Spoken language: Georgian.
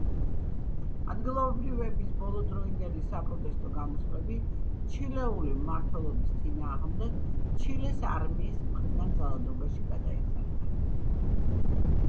ადგილობრივების ბოლოდროინდელი საპროტესტო გამოსვლები ჩილეური მმართველობის წინააღმდეგ, ჩილეს არმიის მხირდან ძალადობაში გადაიზარდა.